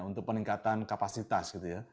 untuk peningkatan kapasitas gitu ya